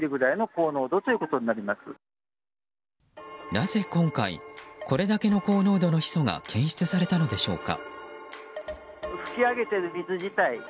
なぜ今回、これだけの高濃度のヒ素が検出されたのでしょうか。